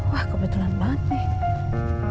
wah kebetulan banget nih